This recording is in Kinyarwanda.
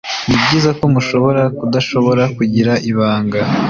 Nibyiza ko mushobora kudashobora kugira ibanga.